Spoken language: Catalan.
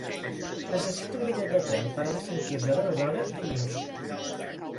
Necessito un bitllet de tren per anar a Sant Quirze de Besora dilluns.